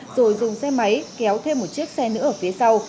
rồi dùng xe máy kéo thêm một chiếc xe nữa ở phía sau